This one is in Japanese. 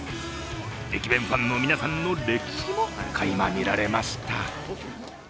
駅弁ファンの皆さんの歴史もかいま見られました。